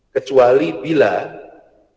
kecuali bila kendaraan